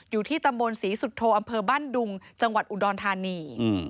อยู่ที่ตำบลศรีสุโธอำเภอบ้านดุงจังหวัดอุดรธานี